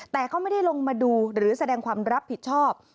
แต่ก็ไม่ได้ลงมาดูหรือแสดงความรับผิดชอบ